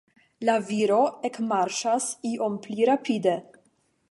La viro ekmarŝas iom pli rapide.